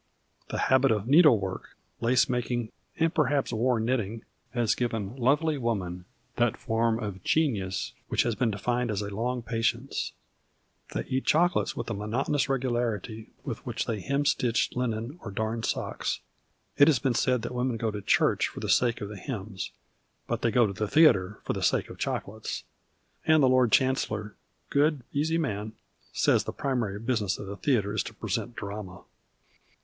The habit of needlework, lace making, and perhaps war knitling has given lovely woman that form of genius which has been defined as a long patience. 70 THE CHOCOLATE DRAMA They eat chocolates with the monotonous regularity with which they hemstitch linen or darn socks. It has been said that women go to elnireh for the sake of the hhns, but they go to the theatre for the sake of chocolates. And the Lord Chancellor, good, easy man, says the primary business of the theatre is to present drama